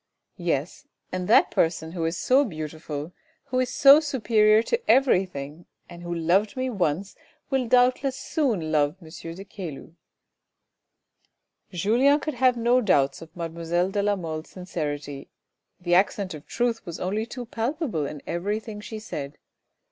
" Yes, and that person who is so beautiful, who is so superior to everything and who loved me once, will doubtless soon love M. de Caylus." Julien could have no doubts of mademoiselle de la Mole's sincerity, the accent of truth was only too palpable in every thing she said.